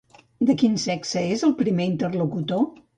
De quin sexe és el primer interlocutor?